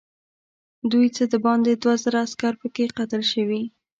دوی څه باندې دوه زره عسکر پکې قتل شوي.